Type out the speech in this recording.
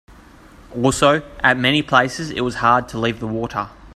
Also, at many places it was hard to leave the water.